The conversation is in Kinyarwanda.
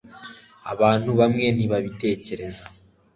Abantu bamwe ntibabitekereza